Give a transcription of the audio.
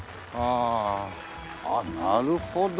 あっなるほど。